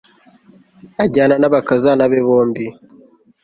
ajyana n'abakazana be bombi